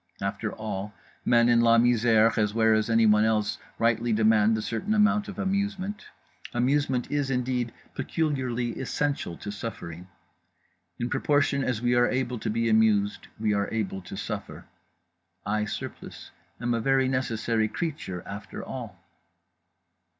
After all, men in La Misère as well as anywhere else rightly demand a certain amount of amusement; amusement is, indeed, peculiarly essential to suffering; in proportion as we are able to be amused we are able to suffer; I, Surplice, am a very necessary creature after all.